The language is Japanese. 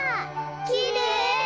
きれい！